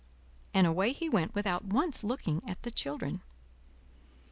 and away he went without once looking at the children.